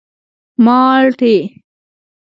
_مالټې.